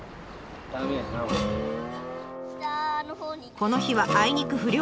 この日はあいにく不漁。